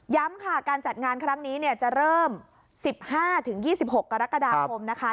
ค่ะการจัดงานครั้งนี้จะเริ่ม๑๕๒๖กรกฎาคมนะคะ